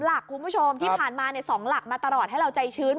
หลักคุณผู้ชมที่ผ่านมา๒หลักมาตลอดให้เราใจชื้น